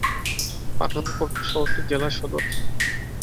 পাঠানকোট শহরটি জেলা সদর।